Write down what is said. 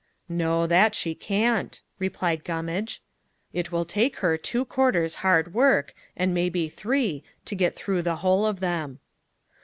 "No, that she can't," replied Gummage; "it will take her two quarters hard work, and maybe three, to get through the whole of them."